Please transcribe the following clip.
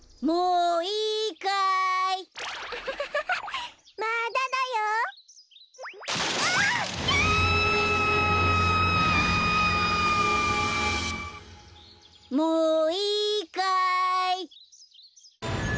もういいかい。